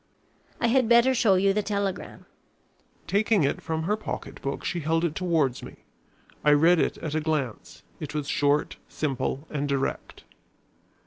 "I had better show you the telegram." Taking it from her pocket book, she held it towards me. I read it at a glance. It was short, simple and direct.